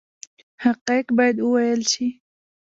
حقایق باید وویل شي